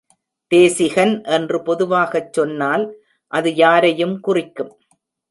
தேசிகன் என்று பொதுவாகச் சொன்னால் அது யாரையும் குறிக்கும்.